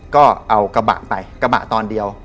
ก็เอากระบะไปกระบะตอนเดียว